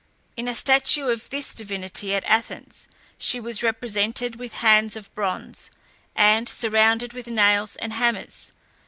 In a statue of this divinity at Athens she was represented with hands of bronze, and surrounded with nails and hammers.